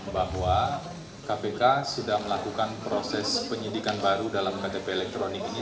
bahwa kpk sudah melakukan proses penyidikan baru dalam ktp elektronik ini